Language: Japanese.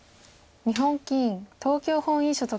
日本棋院東京本院所属。